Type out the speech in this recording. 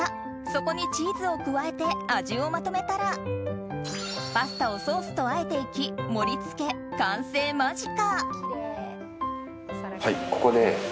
そこにチーズを加えて味をまとめたらパスタをソースとあえていき盛り付け完成間近。